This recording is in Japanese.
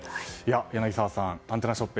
柳澤さん、アンテナショップ